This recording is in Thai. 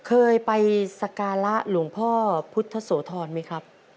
เคยไปสการะหลวงพ่อพุทธโสธรไหมครับ